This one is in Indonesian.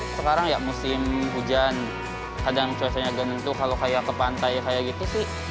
sekarang ya musim hujan kadang cuacanya agak nentuh kalau kayak ke pantai kayak gitu sih